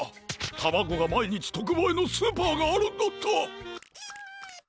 たまごがまいにちとくばいのスーパーがあるんだった！